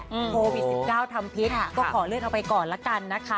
โปรภีษสิบเก้าทำพิษก็ขอเรื่องเข้าไปก่อนละกันนะคะ